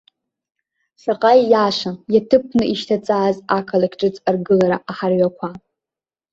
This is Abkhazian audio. Шаҟа ииашан, иаҭыԥны ишьҭаҵааз ақалақь ҿыц аргылара аҳарҩақәа.